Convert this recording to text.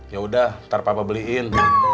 ya udah ntar papa beliin